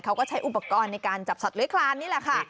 เขาก็ใช้อุปกรณ์ในการจับสัตว์เลื้อยคลานนี่แหละค่ะ